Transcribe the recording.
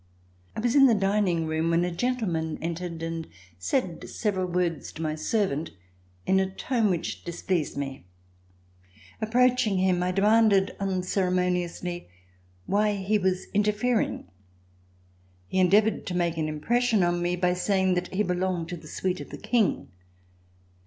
I was in the dining room when a gentleman entered and said several words to my servant in a tone which dis pleased me. Approaching him, I demanded uncere moniously why he was interfering. He endeavored to make an impression on me by saying that he be longed to the suite of the King.